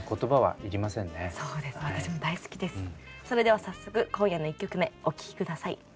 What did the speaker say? それでは早速今夜の１曲目お聴き下さい。